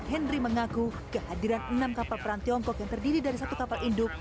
henry mengaku kehadiran enam kapal perang tiongkok yang terdiri dari satu kapal induk